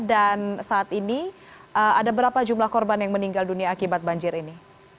dan saat ini ada berapa jumlah korban yang meninggal dunia akibat banjir ini